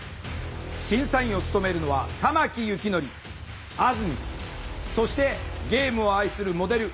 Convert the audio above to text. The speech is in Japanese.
審査員を務めるのは玉木幸則あずみんそしてゲームを愛するモデル